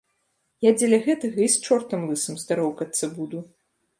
Я дзеля гэтага і з чортам лысым здароўкацца буду.